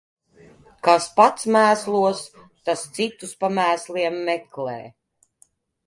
Kas pats mēslos, tas citus pa mēsliem meklē.